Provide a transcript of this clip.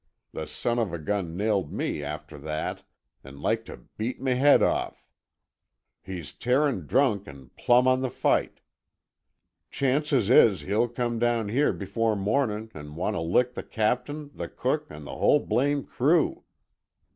The son of a gun nailed me after that an' like t' beat m' head off. He's tearin' drunk an' plumb on the fight. Chances is he'll come down here before mornin' an' want t' lick the captain, the cook, an' the whole blame crew."